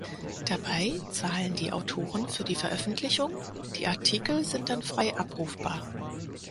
Dabei zahlen die Autoren für die Veröffentlichung, die Artikel sind dann frei abrufbar.